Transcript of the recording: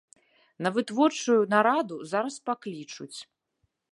На вытворчую нараду зараз паклічуць.